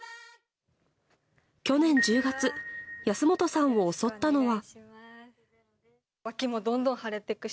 去年１０月安本さんを襲ったのは。